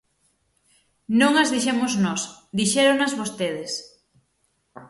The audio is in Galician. Non as dixemos nós, dixéronas vostedes.